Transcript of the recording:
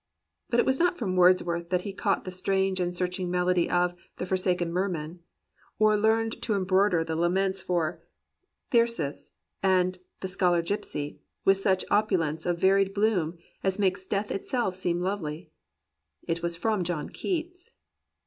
But it was not from Wordsworth that he caught the strange and searching melody of "The Forsaken Merman,'* or learned to embroider the laments for "Thyrsis" and "The Scholar Gypsy" with such opulence of varied bloom as makes death itself seem lovely. It was from John Keats.